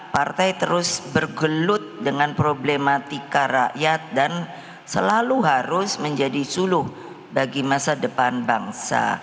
partai terus bergelut dengan problematika rakyat dan selalu harus menjadi suluh bagi masa depan bangsa